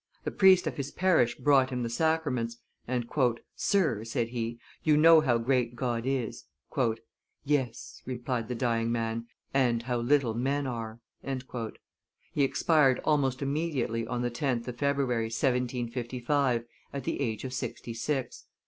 The priest of his parish brought him the sacraments, and, "Sir," said he, "you know how great God is!" "Yes," replied the dying man, "and how little men are!" He expired almost immediately on the 10th of February, 1755, at the age of sixty six.